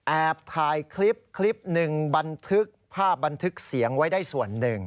แอบถ่ายคลิปคลิปหนึ่งบันทึกภาพบันทึกเสียงไว้ได้ส่วนหนึ่ง